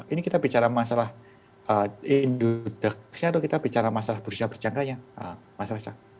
ini kita bicara masalah indodeknya atau kita bicara masalah bursa berjangkanya masalah masalah